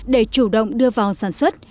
để chủ động đưa vào sản xuất